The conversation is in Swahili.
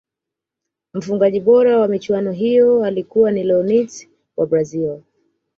mfungaji bora wa michuano hiyo ya alikuwa leonids wa Brazil